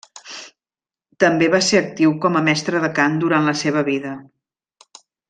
També va ser actiu com a mestre de cant durant la seva vida.